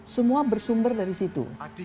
semua bersumber dari situ